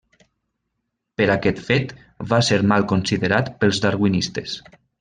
Per aquest fet, va ser mal considerat pels darwinistes.